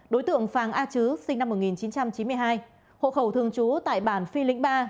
đối tượng phàng a chứ sinh năm một nghìn chín trăm chín mươi hai hộ khẩu thường trú tại bản phi lĩnh ba